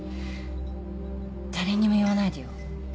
誰にも言わないでよ？